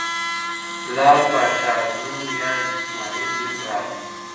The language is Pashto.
لال پاچا ازمون یا اسماعیل یون راغی